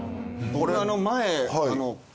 俺前。